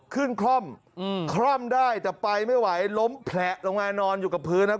คล่อมคล่อมได้แต่ไปไม่ไหวล้มแผละลงมานอนอยู่กับพื้นนะครับ